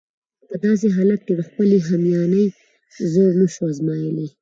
نو په داسې حالت کې د خپلې همیانۍ زور نشو آزمایلای.